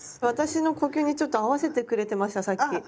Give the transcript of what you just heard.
私の呼吸にちょっと合わせてくれてましたさっき？